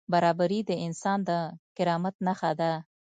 برابري د انسان د کرامت نښه ده.